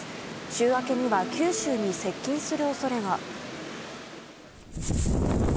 週明けには九州に接近する恐れが。